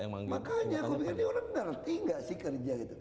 makanya aku pikir ini orang ngerti gak sih kerja gitu